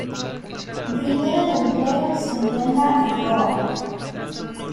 Ribera del Duero se encuentra en Roa.